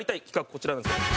こちらなんですよ。